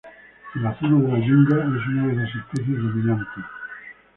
En la zona de la yunga es una de las especies dominantes.